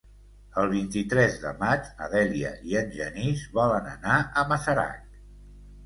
El vint-i-tres de maig na Dèlia i en Genís volen anar a Masarac.